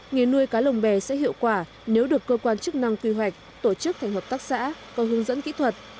nghề nuôi cá lồng bè sẽ hiệu quả nếu được cơ quan chức năng quy hoạch tổ chức thành hợp tác xã có hướng dẫn kỹ thuật